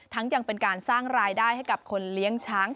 ยังเป็นการสร้างรายได้ให้กับคนเลี้ยงช้าง